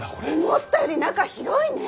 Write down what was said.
思ったより中広いね。